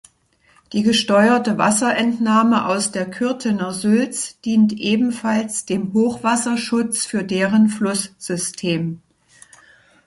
Die gesteuerte Wasserentnahme aus der Kürtener Sülz dient ebenfalls dem Hochwasserschutz für deren Flusssystem.